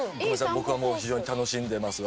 僕はもう非常に楽しんでますが。